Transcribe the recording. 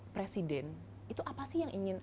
presiden itu apa sih yang ingin